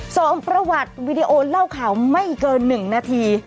สอบประวัติวีดีโอเล่าข่าวไม่เกิน๑นาที